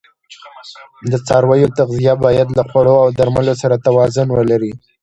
د څارویو تغذیه باید له خوړو او درملو سره توازون ولري.